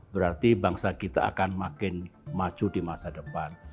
berarti bangsa kita akan makin maju di masa depan